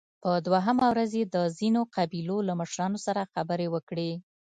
په دوهمه ورځ يې د ځينو قبيلو له مشرانو سره خبرې وکړې